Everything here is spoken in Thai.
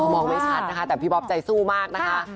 มองไม่ชัดนะคะแต่พี่บ๊อบใจสู้มากนะคะ